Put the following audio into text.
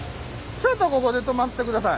ちょっとここで止まってください。